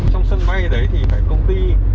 xong sân bay đấy thì phải công ty